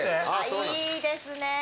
いいですね。